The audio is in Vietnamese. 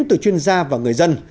từ chuyên gia và người dân